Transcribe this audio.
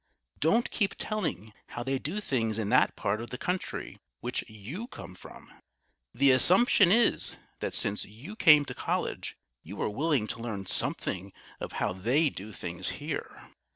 [Sidenote: LOCAL EGOTISM] Don't keep telling how they do things in that part of the country which you come from. The assumption is, that since you came to College, you are willing to learn something of how they do things here.